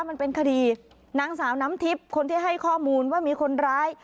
มันเป็นคดีนางสาวน้ำทิพย์คนที่ให้ข้อมูลว่ามีคนร้าย